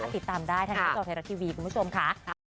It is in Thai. ติดตามได้ทางหน้าจอไทยรัฐทีวีคุณผู้ชมค่ะ